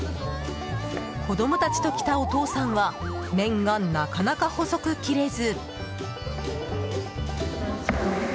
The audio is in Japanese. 子供たちと来たお父さんは麺がなかなか細く切れず。